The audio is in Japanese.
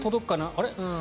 あれ？